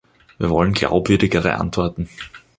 Wir wollen glaubwürdigere Antworten.